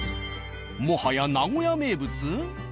もはや名古屋名物？